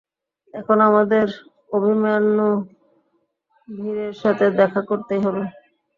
এখন আমদের আভিমান্যু ভীরের সাথে দেখা করতেই হবে।